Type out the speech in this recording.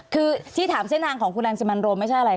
คือที่ถามเส้นทางของคุณรังสิมันโรมไม่ใช่อะไร